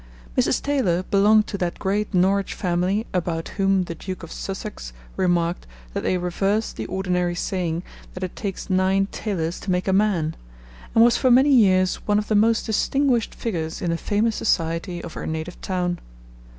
Mrs. Taylor belonged to that great Norwich family about whom the Duke of Sussex remarked that they reversed the ordinary saying that it takes nine tailors to make a man, and was for many years one of the most distinguished figures in the famous society of her native town.